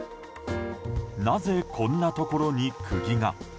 なぜこんなところに釘が？